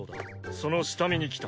その下見に来た。